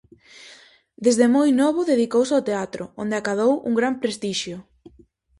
Desde moi novo dedicouse ao teatro, onde acadou un gran prestixio.